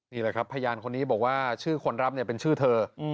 นี่แหละครับพยานคนนี้บอกว่าชื่อคนรับเนี่ยเป็นชื่อเธอ